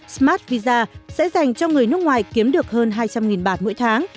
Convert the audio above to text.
smart visa sẽ dành cho người nước ngoài kiếm được hơn hai trăm linh bạt mỗi tháng